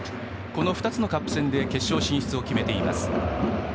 この２つのカップ戦で決勝進出を決めています。